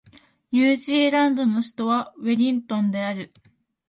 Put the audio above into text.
ニュージーランドの首都はウェリントンである